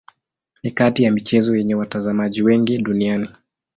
Ni kati ya michezo yenye watazamaji wengi duniani.